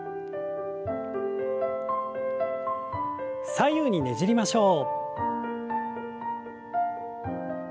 左右にねじりましょう。